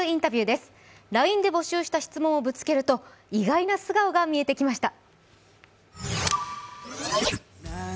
ＬＩＮＥで募集した質問をぶつけると意外な素顔が見えてきました。